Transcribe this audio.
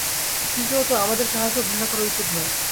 তৃতীয়ত আমাদের কাহাকেও ঘৃণা করা উচিত নয়।